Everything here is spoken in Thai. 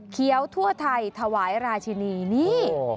ทั่วไทยถวายราชินีนี่